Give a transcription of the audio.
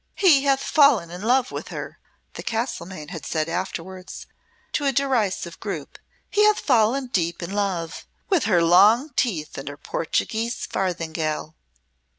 "He hath fallen in love with her," the Castlemaine had said afterwards to a derisive group; "he hath fallen deep in love with her long teeth and her Portuguese farthingale."